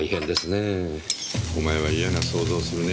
お前は嫌な想像をするねぇ。